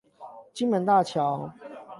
金門大橋